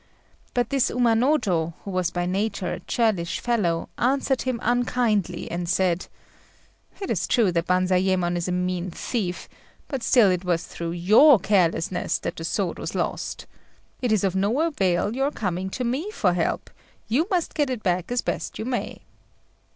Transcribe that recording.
But this Umanojô, who was by nature a churlish fellow, answered him unkindly, and said "It is true that Banzayémon is a mean thief; but still it was through your carelessness that the sword was lost. It is of no avail your coming to me for help: you must get it back as best you may."